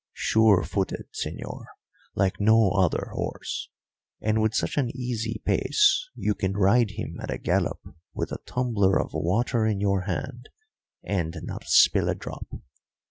Sure footed, señor, like no other horse; and with such an easy pace you can ride him at a gallop with a tumbler of water in your hand and not spill a drop.